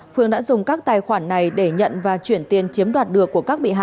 phương đã dùng các tài khoản này để nhận và chuyển tiền chiếm đoạt được của các tài khoản